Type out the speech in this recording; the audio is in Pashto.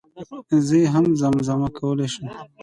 زه يي هم زم زمه کولی شم